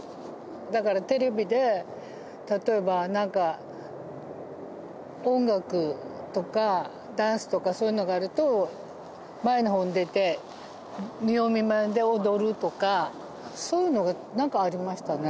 だからテレビで例えばなんか音楽とかダンスとかそういうのがあると前の方に出てそういうのがなんかありましたね。